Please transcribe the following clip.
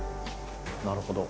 なるほど。